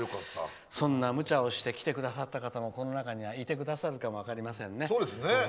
そんなむちゃをして来てくださった方もこの中にはいてくださるかも分かりませんね。